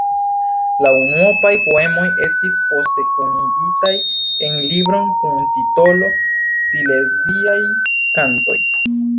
La unuopaj poemoj estis poste kunigitaj en libron kun titolo "Sileziaj kantoj".